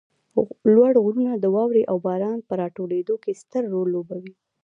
لوړ غرونه د واروې او باران په راټولېدو کې ستر رول لوبوي